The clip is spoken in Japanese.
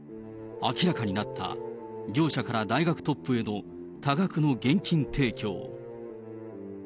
明らかになった業者から大学トップへの多額の現金提供。